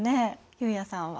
悠也さんは？